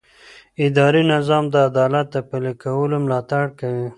اداري نظام د عدالت د پلي کولو ملاتړ کوي.